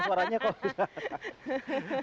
suaranya kok bisa